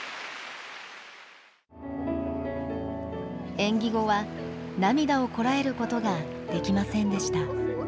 演技後は涙をこらえることができませんでした。